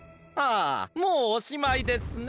あもうおしまいですね。